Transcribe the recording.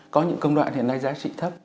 có những công đoạn hiện nay giá trị thấp